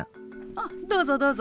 あっどうぞどうぞ。